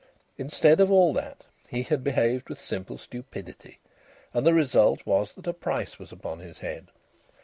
Instead of all that, he had behaved with simple stupidity, and the result was that a price was upon his head.